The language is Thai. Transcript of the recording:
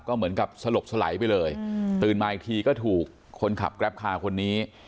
ก็เหมือนกับสลบสลายไปเลยตื่นมาอีกทีก็ถูกคนขับแกรปคาร์คนนี้